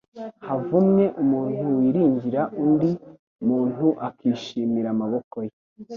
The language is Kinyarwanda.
"Havumwe umuntu wiringira undi muntu akishimira amaboko ye."